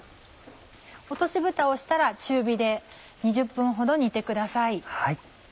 落としぶたをしたら中火で２０分ほど煮てください。